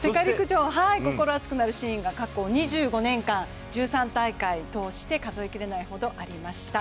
心熱くなるシーンが２５年間１３大会通して数え切れないほどありました。